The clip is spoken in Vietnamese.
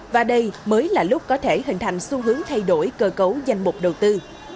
và đây mới là lúc có thể hình thành xu hướng thay đổi cơ cấu danh mục đầu tư